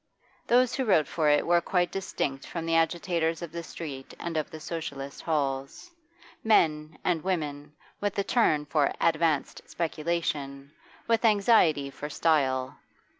Those who wrote for it were quite distinct from the agitators of the street and of the Socialist halls; men and women with a turn for 'advanced' speculation, with anxiety for style.